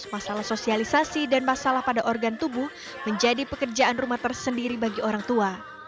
masalah sosialisasi dan masalah pada organ tubuh menjadi pekerjaan rumah tersendiri bagi orang tua